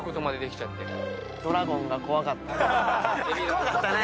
怖かったね。